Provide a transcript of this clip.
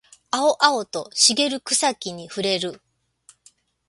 青々と茂る草木に触れる